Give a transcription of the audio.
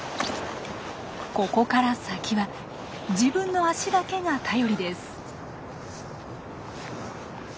ここから先は自分の足だけが頼りです。